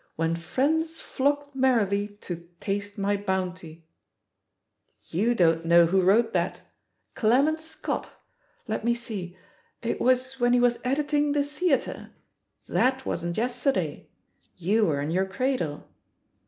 When friends flocked merrily to taste mj bounty!' QTew don't know who wrote that ? Clement Scott. Let me see. It was when he was editing The Theatre. That wasn't yesterday. You were in your cradle.